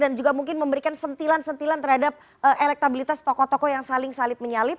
dan juga mungkin memberikan sentilan sentilan terhadap elektabilitas tokoh tokoh yang saling salip menyalip